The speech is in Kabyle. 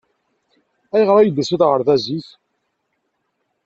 Ayɣer ay d-tusiḍ ɣer da zik?